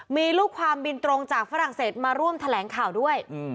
มีลูกความบินตรงจากฝรั่งเศสมาร่วมแถลงข่าวด้วย